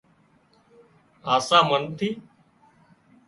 هاسا منَ ٿِي